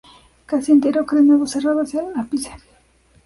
Casi entera o crenado- serrada hacia el ápice.